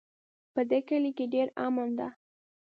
په دې کلي کې ډېر امن ده